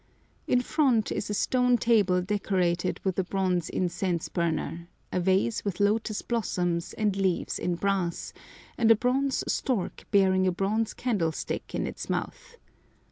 In front is a stone table decorated with a bronze incense burner, a vase with lotus blossoms and leaves in brass, and a bronze stork bearing a bronze candlestick in its mouth.